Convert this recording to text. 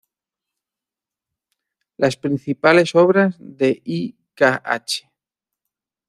Las principales obras de I. Kh.